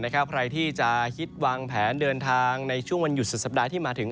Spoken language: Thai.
ใครที่จะฮิตวางแผนเดินทางในช่วงวันหยุดสุดสัปดาห์ที่มาถึง